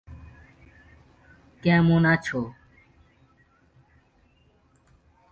মধ্যপ্রাচ্যে পথের পাশের সরাই ও শহরের ভেতরের সরাই উভয়কে খান বলা হত।